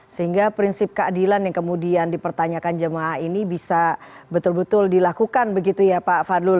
sehingga prinsip keadilan yang kemudian dipertanyakan jemaah ini bisa betul betul dilakukan begitu ya pak fadlul